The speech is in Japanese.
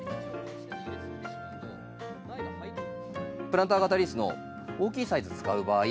プランター型リースの大きいサイズ使う場合